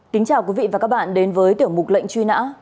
kính chào quý vị và các bạn đến với tiểu mục lệnh truy nã